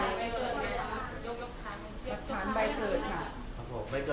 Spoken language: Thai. นี่นักแสดงแล้วบวชอ่ะ